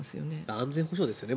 安全保障ですよね。